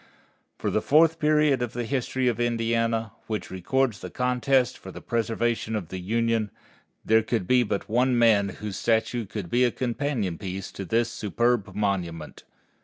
For the fourth period of the history of Indiana, which records the contest for the preservation of the Union, there could be but one man whose statue should be a companion piece to this superb monument.